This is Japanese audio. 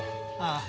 ああ。